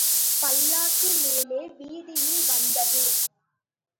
பல்லக்கு மேல வீதியில் வந்தது.